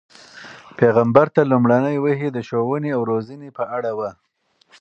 پیغمبر ته لومړنۍ وحی د ښوونې او روزنې په اړه وه.